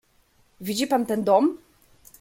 "Widzi pan ten dom?"